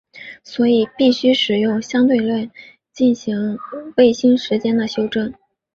所以必须使用相对论进行卫星时间的修正。